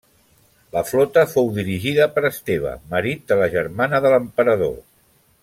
La flota fou dirigida per Esteve, marit de la germana de l'emperador.